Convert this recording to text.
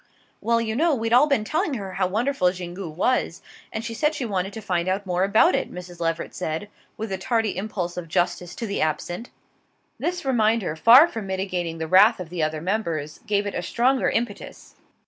"Well, you know, we'd all been telling her how wonderful Xingu was, and she said she wanted to find out more about it," Mrs. Leveret said, with a tardy impulse of justice to the absent. This reminder, far from mitigating the wrath of the other members, gave it a stronger impetus.